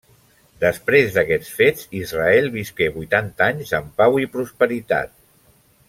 Després d'aquests fets, Israel visqué vuitanta anys en pau i prosperitat.